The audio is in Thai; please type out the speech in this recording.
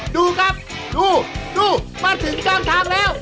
ดูครับดูดูมาถึงกลางทางแล้ว